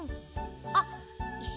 あっいし